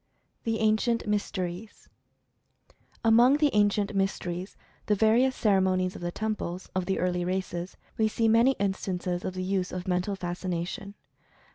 THE ANCIENT MYSTERIES. Among the Ancient Mysteries, and the various cere monies of the temples, of the early races, we see many instances of the use of Mental Fascination.